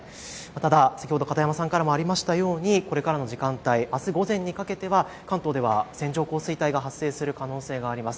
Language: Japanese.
ただ先ほど片山さんからもありましたようにこれからの時間帯、あす午前にかけては関東では線状降水帯が発生する可能性があります。